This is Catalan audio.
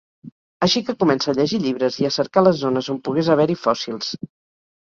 Així que comença a llegir llibres, i a cercar les zones on pogués haver-hi fòssils.